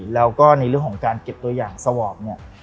แล้วก็ในเรื่องของการเก็บตัวอย่างสวอปเนี่ย